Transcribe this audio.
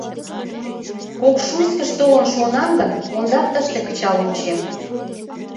— Кокшуйскыш толын шуынам гын, ондак тыште кычал ончем.